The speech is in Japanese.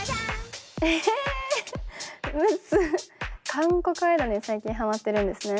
韓国アイドルに最近はまってるんですね。